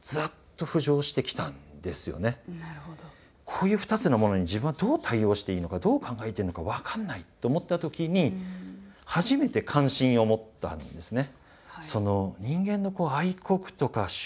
こういう２つのものに自分はどう対応していいのかどう考えていいのか分かんないと思ったときに初めて関心を持ったんですね。